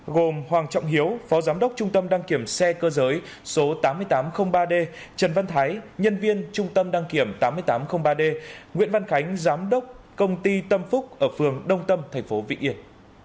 gồm hoàng trọng hiếu phó giám đốc trung tâm đăng kiểm xe cơ giới số tám nghìn tám trăm linh ba d trần văn thái nhân viên trung tâm đăng kiểm tám nghìn tám trăm linh ba d nguyễn văn khánh giám đốc công ty tâm phúc ở phường đông tâm tp vĩnh yên